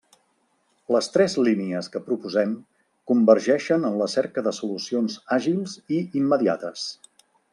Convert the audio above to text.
Les tres línies que proposem convergeixen en la cerca de solucions àgils i immediates.